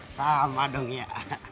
sama dong ya